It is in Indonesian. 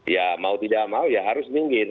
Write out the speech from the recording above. ya mau tidak mau ya harus minggir